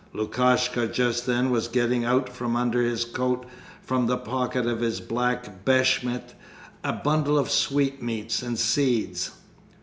Lukashka just then was getting out from under his coat, from the pocket of his black beshmet, a bundle of sweetmeats and seeds.